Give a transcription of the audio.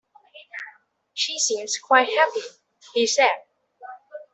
"She seems quite happy," he said.